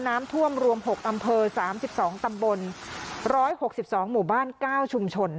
น้ำท่วมรวม๖อำเภอ๓๒ตำบล๑๖๒หมู่บ้าน๙ชุมชน